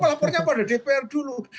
lapornya pada dpr dulu